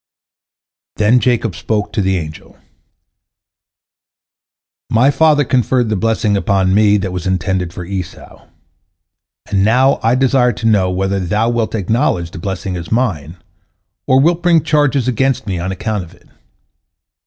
Then Jacob spoke to the angel: "My father conferred the blessing upon me that was intended for Esau, and now I desire to know whether thou wilt acknowledge the blessing as mine, or wilt bring charges against me on account of it."